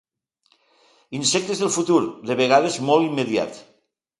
Insectes del futur, de vegades molt immediat.